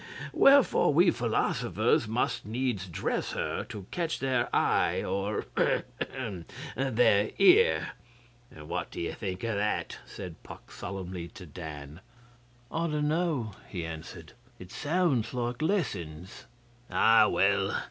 Wherefore we philosophers must needs dress her to catch their eye or ahem! their ear.' 'And what d'you think of that?' said Puck solemnly to Dan. 'I don't know,' he answered. 'It sounds like lessons.' 'Ah well!